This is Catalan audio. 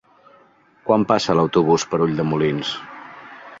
Quan passa l'autobús per Ulldemolins?